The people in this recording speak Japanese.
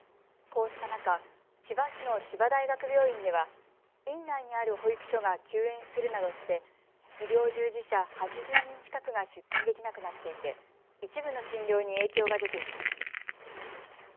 こうした中、千葉市の千葉大学病院では院内にある保育所が休園するなどして医療従事者８０人近くが出勤できなくなっていて一部の診療に影響が出ています。